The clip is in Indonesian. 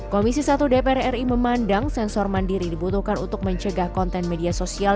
komisi satu dpr ri memandang sensor mandiri dibutuhkan untuk mencegah konten media sosial